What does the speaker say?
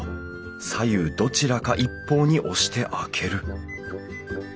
左右どちらか一方に押して開ける。